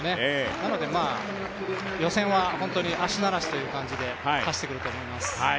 なので予選は足慣らしという感じで走ってくると思います。